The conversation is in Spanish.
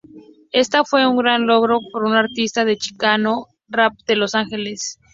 Este fue un gran logro para un artista de chicano rap de Los Ángeles.